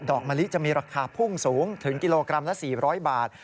มะลิจะมีราคาพุ่งสูงถึงกิโลกรัมละ๔๐๐บาท